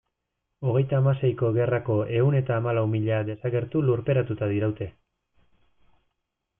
Hogeita hamaseiko gerrako ehun eta hamalau mila desagertu lurperatuta diraute.